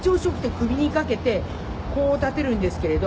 首にかけてこう立てるんですけれど。